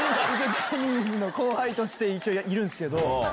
ジャニーズの後輩として一応いるんですけど。